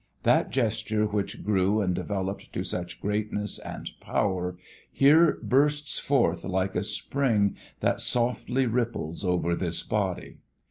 That gesture which grew and developed to such greatness and power, here bursts forth like a spring that softly ripples over this body.